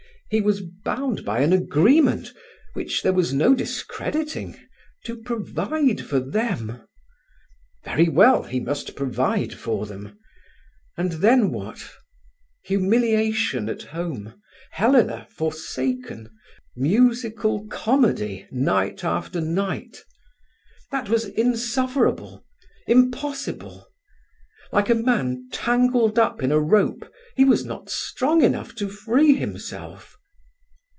He was bound by an agreement which there was no discrediting to provide for them. Very well, he must provide for them. And then what? Humiliation at home, Helena forsaken, musical comedy night after night. That was insufferable—impossible! Like a man tangled up in a rope, he was not strong enough to free himself.